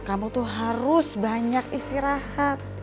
kamu tuh harus banyak istirahat